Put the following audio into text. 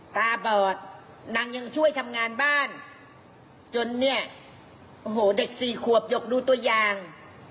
ตาบอดนางยังช่วยทำงานบ้านจนเนี่ยโอ้โหเด็กสี่ขวบหยกดูตัวอย่าง